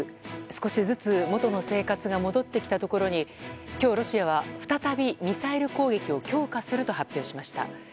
少しずつ、もとの生活が戻ってきたところに今日、ロシアは再びミサイル攻撃を強化すると発表しました。